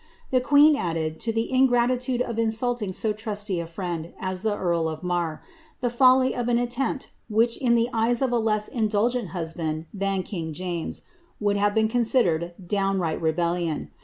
The queen added, to the ingratitude oT insulting so trusty a friend as the earl of Marr, the folly of an attempt which, in the eyes of a less indulgent husband than king James, would hafa been considered downright rebellion.